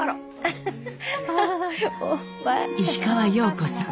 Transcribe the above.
石川様子さん。